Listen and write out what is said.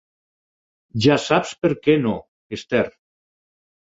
Ja saps perquè no, Esther.